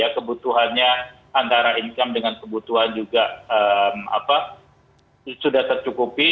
kebutuhannya antara income dengan kebutuhan juga sudah tercukupi